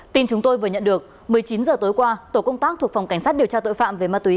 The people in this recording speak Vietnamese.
tin chúng tôi vừa nhận được một mươi chín h tối qua tổ công tác thuộc phòng cảnh sát điều tra tội phạm về ma túy